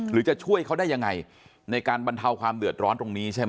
จะช่วยเขาได้ยังไงในการบรรเทาความเดือดร้อนตรงนี้ใช่ไหม